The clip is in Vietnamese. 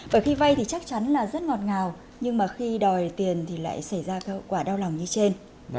bởi khi vay thì chắc chắn là rất ngọt ngào nhưng mà khi đòi tiền thì lại xảy ra các hậu quả đau lòng như trên